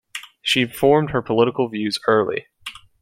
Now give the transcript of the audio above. She formed her political views early.